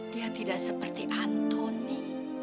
dia tidak seperti antoni